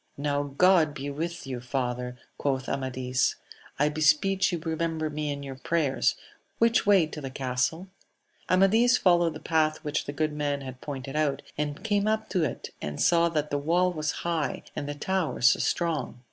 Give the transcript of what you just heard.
Now God be with you, father ! quoth Amadis ; I beseech you remember me in your prayers ! which way to the castle 1 — Amadis followed the path which the good man had pointed out, and came up to it, and saw that the wall was high and the towers strong.